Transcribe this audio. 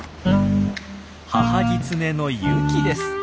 母ギツネのユキです。